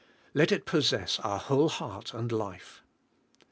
Let it possess our whole heart, and life.